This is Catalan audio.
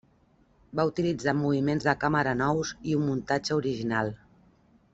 Va utilitzar moviments de càmera nous i un muntatge original.